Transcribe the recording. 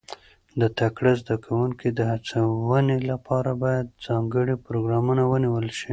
د تکړه زده کوونکو د هڅونې لپاره باید ځانګړي پروګرامونه ونیول شي.